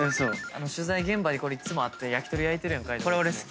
取材現場にいつもあって焼き鳥焼いてるやん海人。